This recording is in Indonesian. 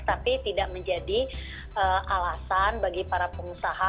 tapi tidak menjadi alasan bagi para pengusaha